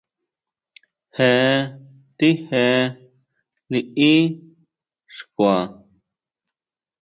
Jetije liʼí xkua.